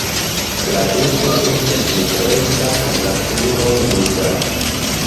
La beko estas nigreca kaj la kruroj ruĝaj.